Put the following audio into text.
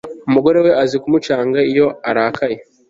Umugore we azi kumucunga iyo arakaye